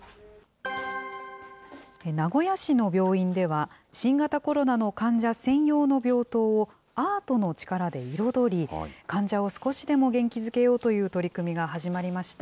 名古屋市の病院では、新型コロナの患者専用の病棟をアートの力で彩り、患者を少しでも元気づけようという取り組みが始まりました。